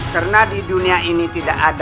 karena di dunia ini tidak ada